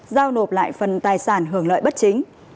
giao nộp lại phần tài sản hưởng lợi bất chính